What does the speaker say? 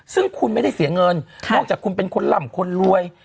ซึ่งคุณไม่ได้เสียเงินนอกจากคุณเป็นคนหล่ำคนรวย